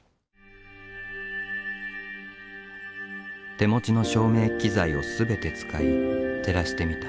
手持ちの照明機材を全て使い照らしてみた。